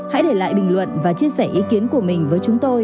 hãy để lại bình luận và chia sẻ ý kiến của mình với chúng tôi